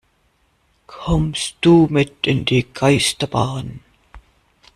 Kommst du mit in die Geisterbahn?